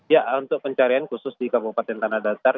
ya untuk pencarian khusus di kabupaten tanah datar